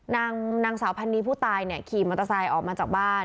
นางสาวพันนีผู้ตายเนี่ยขี่มอเตอร์ไซค์ออกมาจากบ้าน